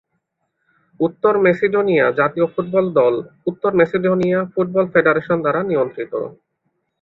উত্তর মেসিডোনিয়া জাতীয় ফুটবল দল উত্তর মেসিডোনিয়া ফুটবল ফেডারেশন দ্বারা নিয়ন্ত্রিত।